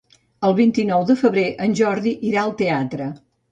El vint-i-nou de febrer en Jordi irà al teatre.